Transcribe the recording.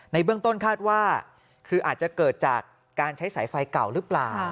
เบื้องต้นคาดว่าคืออาจจะเกิดจากการใช้สายไฟเก่าหรือเปล่า